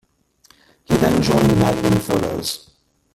He then joined Magnum Photos.